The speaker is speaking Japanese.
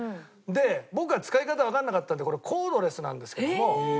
僕は使い方わからなかったのでこれコードレスなんですけども。へえ！